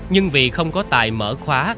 nhưng vì không có tài mở khóa